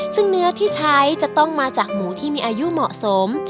ซึ่งเนื้อที่ใช้จะต้องมาจากหมูที่มีอายุเหมาะสม